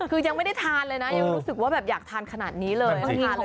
คือยังไม่ได้ทานเลยนะยังรู้สึกว่าแบบอยากทานขนาดนี้เลย